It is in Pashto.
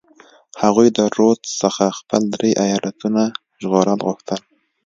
هغوی د رودز څخه د خپلو درې ایالتونو ژغورل غوښتل.